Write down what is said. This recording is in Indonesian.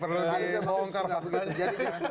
udah menang soalnya